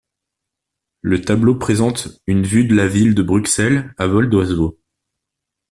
Le tableau présente une vue de la ville de Bruxelles à vol d’oiseau.